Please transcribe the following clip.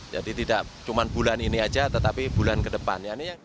jadi tidak cuma bulan ini aja tetapi bulan ke depannya